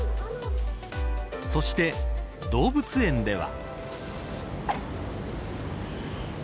そして動物園では。